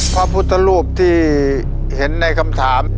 พระพุทธรูปที่เห็นในคำถาม